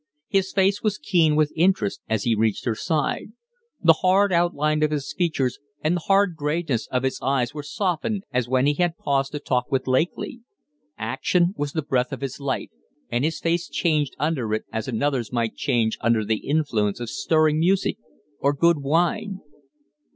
His face was keen with interest as he reached her side. The hard outline of his features and the hard grayness of his eyes were softened as when he had paused to talk with Lakely. Action was the breath of his life, and his face changed under it as another's might change under the influence of stirring music or good wine.